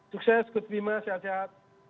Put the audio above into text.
sukses coach bima sehat sehat